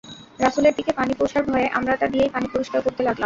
রাসূলের দিকে পানি পৌঁছার ভয়ে আমরা তা দিয়েই পানি পরিষ্কার করতে লাগলাম।